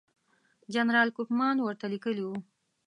جنرال کوفمان ورته لیکلي وو.